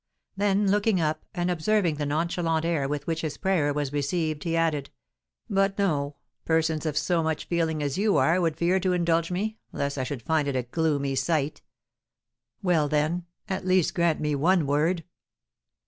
Then, looking up, and observing the nonchalant air with which his prayer was received, he added, "But no, persons of so much feeling as you are would fear to indulge me, lest I should find it a gloomy sight. Well, then, at least grant me one word!"